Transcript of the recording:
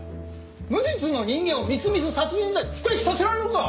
無実の人間をみすみす殺人罪で服役させられるか！